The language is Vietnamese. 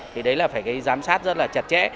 thì đấy là phải cái giám sát rất là chặt chẽ